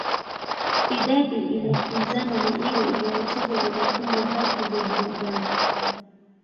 idadi inakinzana na ile inayotajwa na makundi ya haki za binadamu